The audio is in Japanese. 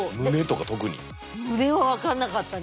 胸は分かんなかったね。